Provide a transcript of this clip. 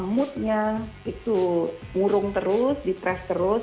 moodnya itu ngurung terus di trace terus